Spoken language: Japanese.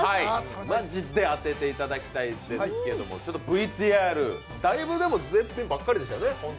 マジで当てていただきたいですけれども、ＶＴＲ、絶品ばっかりでしたよね。